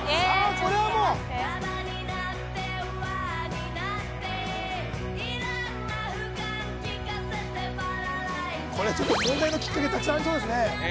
これはもうえちょっと待ってこれちょっと問題のきっかけたくさんありそうですねえ